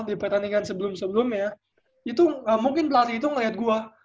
di pertandingan sebelum sebelumnya itu mungkin pelatih itu ngeliat gue